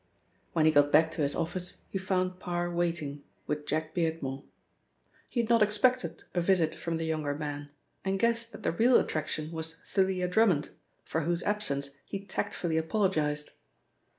When he got back to his office he found Parr waiting, with Jack Beardmore. He had not expected a visit from the younger man, and guessed that the real attraction was Thalia Drummond, for whose absence he tactfully apologised.